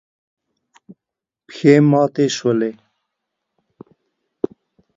پښې ماتې شولې.